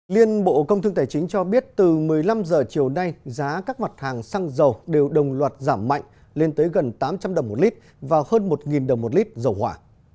liên bộ công thương tài chính cho biết từ một mươi năm h chiều nay giá các mặt hàng xăng dầu đều đồng loạt giảm mạnh lên tới gần tám trăm linh đồng một lít và hơn một đồng một lít dầu hỏa